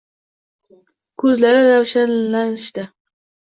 Ko'zlari ravshanlashdi.